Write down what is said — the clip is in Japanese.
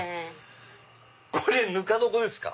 これぬか床ですか？